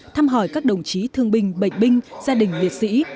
thăm hỏi các đồng chí thương binh bệnh binh gia đình liệt sĩ